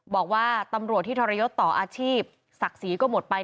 บอกว่าตำรวจที่ทรยศต่ออาชีพศักดิ์ศรีก็หมดไป